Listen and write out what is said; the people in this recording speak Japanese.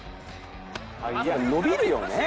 「伸びるよね！